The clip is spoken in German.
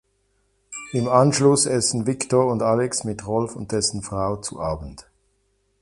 Im Anschluss essen Viktor und Alex mit Rolf und dessen Frau zu Abend.